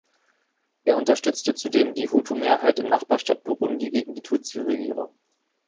Er unterstützte zudem die Hutu-Mehrheit im Nachbarstaat Burundi gegen die Tutsi-Regierung.